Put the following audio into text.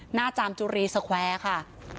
หน้าจามจุรีสเกวร์ค่ะ